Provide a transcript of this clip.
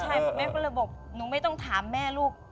ใช่แม่ก็เลยบอกหนูไม่ต้องถามแม่ลูก